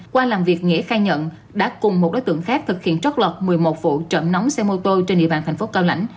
qua làm việc nghĩa khai nhận đã cùng một đối tượng khác thực hiện trót lọt một mươi một vụ trộm nóng xe mô tô trên địa bàn thành phố cao lãnh